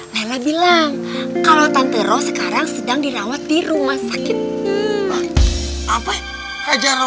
lela bilang kalau tante roh sekarang sedang dirawat di rumah sakit apa apa